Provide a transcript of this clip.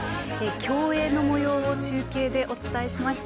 競泳のもようを中継でお伝えしました。